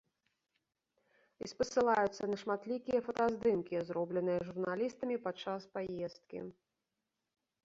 І спасылаюцца на шматлікія фотаздымкі, зробленыя журналістамі падчас паездкі.